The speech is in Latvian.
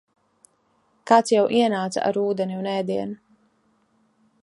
Kāds jau ienāca ar ūdeni un ēdienu.